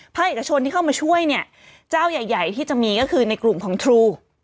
เอกชนที่เข้ามาช่วยเนี่ยเจ้าใหญ่ใหญ่ที่จะมีก็คือในกลุ่มของครู